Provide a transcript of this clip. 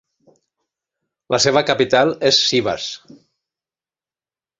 La seva capital és Sivas.